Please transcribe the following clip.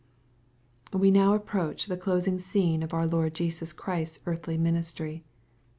We now approach the closing scene of our Lord Jesus Christ's earthly ministry.